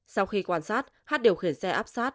sau khi quan sát h điều khiển xe áp sát